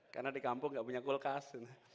karena di kampung gak punya kulkas